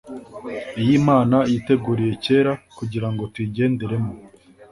iy'imana yiteguriye cyera, kugirango tuyigenderemo